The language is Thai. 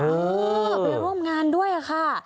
เออไปร่วมงานด้วยค่ะ